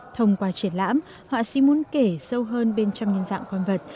thông qua triển lãm họa sĩ muốn kể sâu hơn bên trong nhân dạng con vật